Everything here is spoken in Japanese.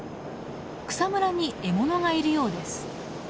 草むらに獲物がいるようです。